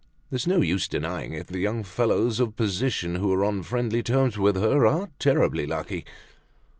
There's no use denying it, the young fellows of position who are on friendly terms with her are terribly lucky!"